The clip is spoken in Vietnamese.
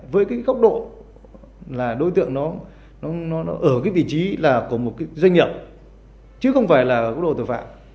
với cái góc độ là đối tượng nó ở cái vị trí là của một cái doanh nghiệp chứ không phải là của đồ tội phạm